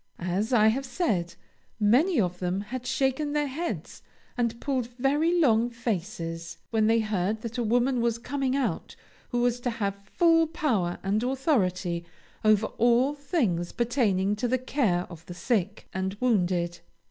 As I have said, many of them had shaken their heads and pulled very long faces when they heard that a woman was coming out who was to have full power and authority over all things pertaining to the care of the sick and wounded.